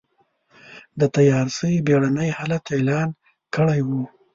د تيارسۍ بېړنی حالت اعلان کړی و.